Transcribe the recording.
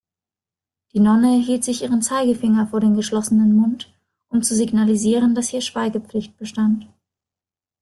Die Nonne hielt sich ihren Zeigefinger vor den geschlossenen Mund, um zu signalisieren, dass hier Schweigepflicht bestand.